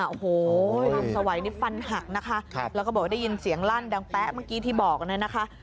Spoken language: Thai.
โอ้โหลุงสวัยนี่ฟันหักนะคะแล้วก็บอกว่าได้ยินเสียงลั่นดังแป๊ะเมื่อกี้ที่บอกเลยนะคะ